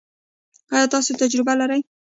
ایا تاسو تجربه لرئ؟